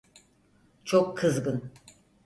Çok kızgın.